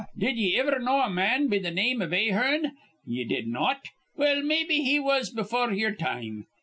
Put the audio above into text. Did ye iver know a man be th' name iv Ahearn? Ye did not? Well, maybe he was befure yer time.